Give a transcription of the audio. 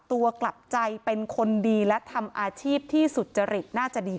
กลับใจเป็นคนดีและทำอาชีพที่สุจริตน่าจะดี